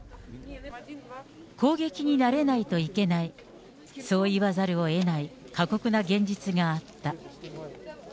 攻撃に慣れないといけない、そう言わざるをえない過酷な現実があった。